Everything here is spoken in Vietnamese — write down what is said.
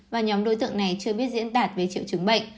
và nhóm đối tượng này chưa biết diễn tạt về triệu chứng bệnh